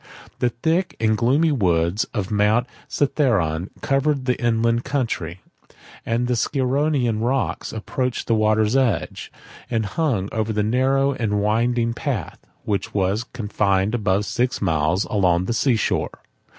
The thick and gloomy woods of Mount Cithaeron covered the inland country; the Scironian rocks approached the water's edge, and hung over the narrow and winding path, which was confined above six miles along the sea shore.